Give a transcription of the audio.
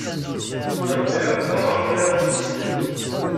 Albert d aɣerman arusi.